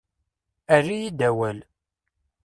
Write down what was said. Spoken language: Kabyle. Err-iyi-d awal.